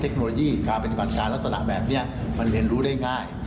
เทคโนโลยีปฏิบันการณ์และสนานแบบมันเห็นรู้ได้ง่าย